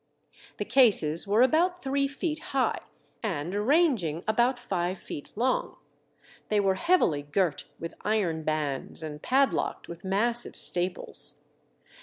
The cases were about three feet high, and ranging about five feet long ; they were heavily girt with iron bands, and padlocked with massive staples.